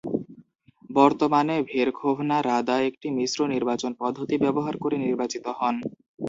বর্তমানে ভেরখোভনা রাদা একটি মিশ্র নির্বাচন পদ্ধতি ব্যবহার করে নির্বাচিত হন।